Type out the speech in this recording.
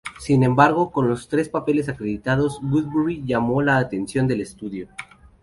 Sin embargo, con los tres papeles acreditados Woodbury llamó la atención del estudio.